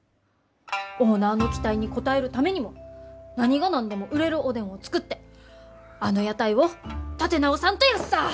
オーナーの期待に応えるためにも何が何でも売れるおでんを作ってあの屋台を立て直さんとヤッサー！